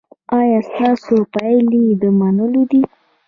ایا ستاسو پایلې د منلو دي؟